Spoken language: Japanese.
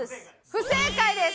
不正解です。